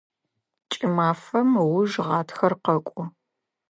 Кӏымафэм ыуж гъатхэр къэкӏо.